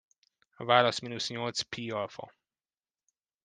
A válasz mínusz nyolc pi alfa.